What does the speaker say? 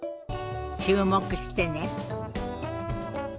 注目してね。